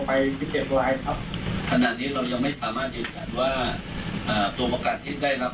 และก็ออกมาพัดพื้นอยู่ที่แคมป์คนงานแล้ว